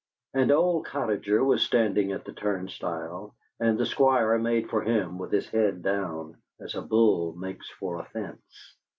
An old cottager was standing at the turnstile, and the Squire made for him with his head down, as a bull makes for a fence.